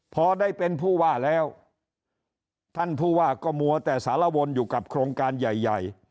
พอได้เป็นผู้ว่าแล้วท่านผู้ว่าก็มัวแต่สารวนอยู่กับโครงการใหญ่ใหญ่